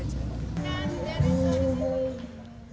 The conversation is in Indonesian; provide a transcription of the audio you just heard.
ya emang belum tahu saja